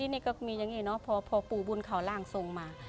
นี่ก็มีอย่างนี้เนอะพอปู่บุญเขาร่างทรงมา